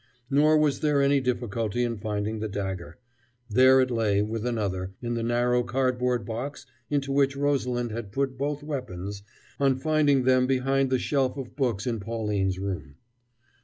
Nor was there any difficulty in finding the dagger. There it lay, with another, in the narrow cardboard box into which Rosalind had put both weapons on finding them behind the shelf of books in Pauline's room.